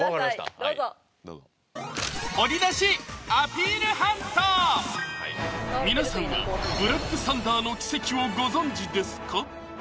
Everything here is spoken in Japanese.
どうぞ皆さんはブラックサンダーの奇跡をご存じですか？